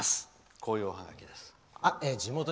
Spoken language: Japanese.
こういうおハガキです。